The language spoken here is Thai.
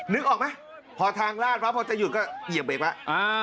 นึกออกไหมพอทางลาดพอจะหยุดก็เหยียบเบรกมา